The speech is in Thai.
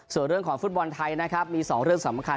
ส่วนเรื่องของฟุตบอลไทยนะครับมี๒เรื่องสำคัญ